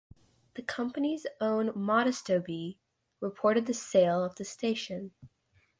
The company's own "Modesto Bee" reported the sale of the station.